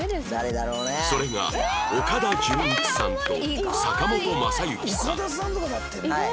それが岡田准一さんと坂本昌行さん